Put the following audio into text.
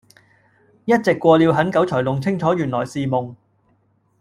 一直過了很久才弄清楚原來是夢